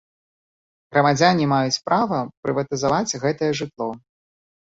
Грамадзяне маюць права прыватызаваць гэтае жытло.